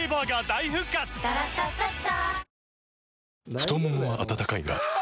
太ももは温かいがあ！